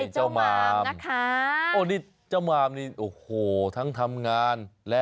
จะอายเจ้ามามนะคะ